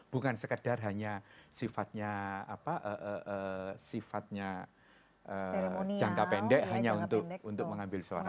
bukan sekedar hanya sifatnya sifatnya jangka pendek hanya untuk mengambil suara